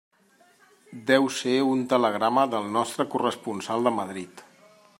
Deu ser un telegrama del nostre corresponsal de Madrid.